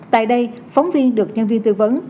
tại đây phóng viên được nhân viên tư vấn